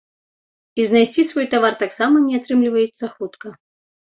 І знайсці свой тавар таксама не атрымліваецца хутка.